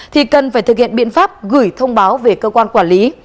thì cần phải thực hiện biện pháp gửi thông báo về cơ quan quản lý